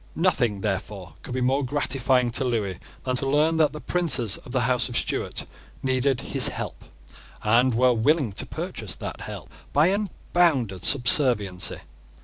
Nothing, therefore, could be more gratifying to Lewis than to learn that the princes of the House of Stuart needed his help, and were willing to purchase that help by unbounded subserviency.